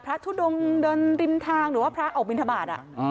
พระทุดงดินทางหรือว่าพระออกบิณฑบาต